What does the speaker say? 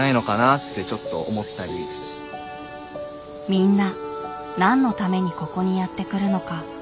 みんな何のためにここにやって来るのか。